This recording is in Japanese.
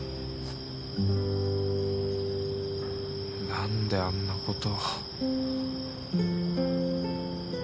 何であんなこと。